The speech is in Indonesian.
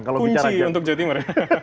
kunci untuk jawa timur